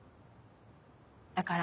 だから。